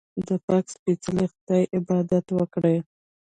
د پاک سپېڅلي خدای عبادت وکړئ.